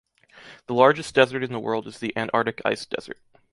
The largest desert in the world is the Antarctic Ice Desert.